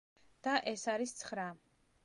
და ეს არის ცხრა.